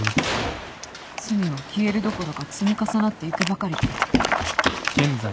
罪は消えるどころか積み重なっていくばかりだった。